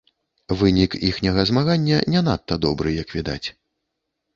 Вынік іхняга змагання не надта добры, як відаць.